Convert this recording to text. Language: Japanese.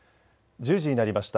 １０時になりました。